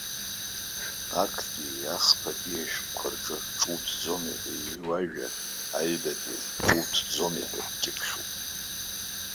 Актәии ахԥатәии ашҟәқәа рҿы ҿуҭӡомеи ҳәа иҩу ажәа, аҩбатәи аҿы ҿуҭӡомеи ҳәа икьыԥхьуп.